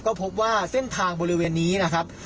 ก็พบว่าเส้นทางบริเวณนี้นะครับ